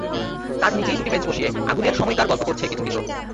তার নিচেই দুটি বেঞ্চ বসিয়ে আগুনের সময়কার গল্প করছে কিছু কিশোর।